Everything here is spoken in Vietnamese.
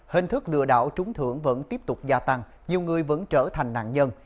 hình thức lừa đảo trúng thưởng vẫn tiếp tục gia tăng nhiều người vẫn trở thành nạn nhân